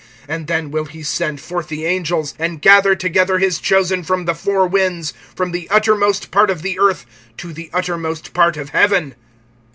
(27)And then will he send forth the angels, and gather together his chosen from the four winds, from the uttermost part of the earth to the uttermost part of heaven.